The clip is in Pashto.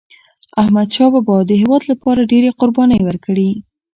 احمدشاه بابا د هیواد لپاره ډيري قربانی ورکړي.